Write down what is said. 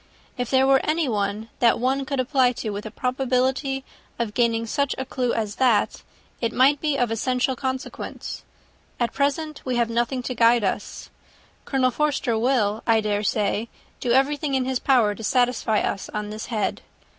If there were anyone that one could apply to, with a probability of gaining such a clue as that, it might be of essential consequence. At present we have nothing to guide us. Colonel Forster will, I dare say, do everything in his power to satisfy us on this head.